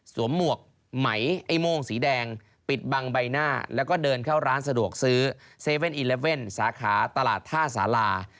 หมวกไหมไอ้โม่งสีแดงปิดบังใบหน้าแล้วก็เดินเข้าร้านสะดวกซื้อ๗๑๑สาขาตลาดท่าสารา